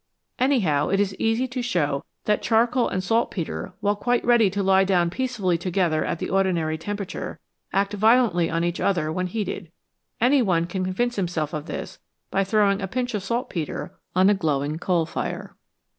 Anyhow, it is easy to show that charcoal and saltpetre, while quite ready to lie down peacefully together at the ordinary temperature, act violently on each other when heated ; any one can con vince himself of this by throwing a pinch of saltpetre on a glowing coal fire.